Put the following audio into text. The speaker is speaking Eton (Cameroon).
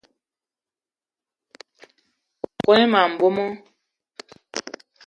Kone ma mbomo.